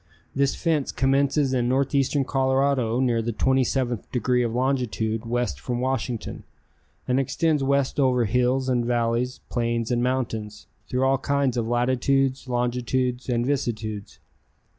This fence commences in northeastern Colorado near the 27th degree of longitude west from Washington, and extends west over hills and valleys, plains and mountains, through all kinds of latitudes, longitudes and vicissitudes.